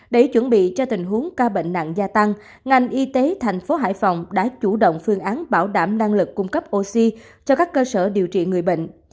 để chuẩn bị cho tình huống ca bệnh nặng gia tăng ngành y tế thành phố hải phòng đã chủ động phương án bảo đảm năng lực cung cấp oxy cho các cơ sở điều trị người bệnh